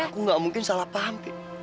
aku gak mungkin salah paham